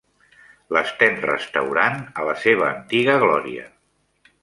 L'estem restaurant a la seva antiga glòria.